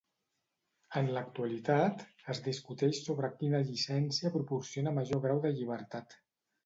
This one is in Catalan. En l'actualitat, es discuteix sobre quina llicència proporciona major grau de llibertat.